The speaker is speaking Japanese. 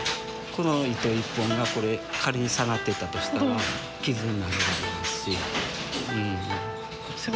この糸１本がこれ仮に下がっていたとしたら傷になるやろうし。